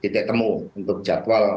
ditemu untuk jadwal